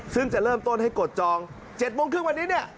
ซึ่งจะเริ่มต้นให้กดจอง๗โมงครึ่งวันนี้เนี่ย